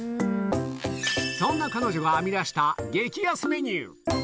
そんな彼女が編み出した激安メニュー。